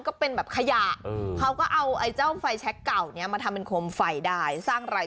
คุณลองเอามันทำเป็นโคมไฟมดตะหน่อย